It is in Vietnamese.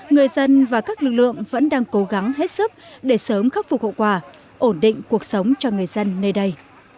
người dân và các lực lượng vẫn đang cố gắng hết sức để sớm khắc phục hậu quả ổn định cuộc sống cho người dân nơi đây